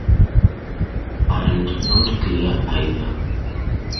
And not clear either.